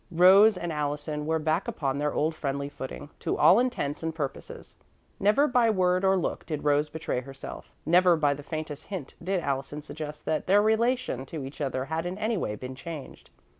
Rose and Allison were back upon their old friendly footing, to all intents and purposes. Never by word or look did Rose betray herself; never by the faintest hint did Allison suggest that their relation to each other had in any way been changed.